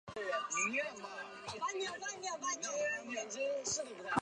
蔡突灵在南昌鸭子塘秘密设立中国同盟会支部。